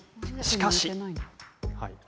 しかし。